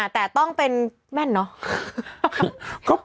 แต่ต้องเป็นแม่นเนอะ